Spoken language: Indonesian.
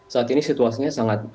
saat ini situasinya sangat